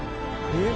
えっ？